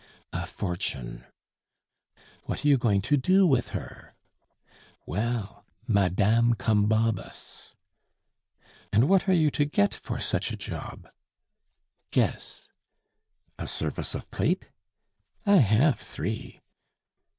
"A fortune." "What are you going to do with her?" "Well Madame Combabus!" "And what are you to get for such a job?" "Guess." "A service of plate?" "I have three."